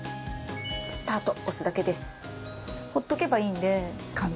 スタート押すだけです。